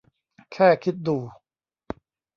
แค่คิดดู !